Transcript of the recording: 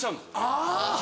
あぁ。